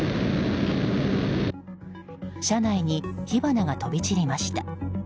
車内に火花が飛び散りました。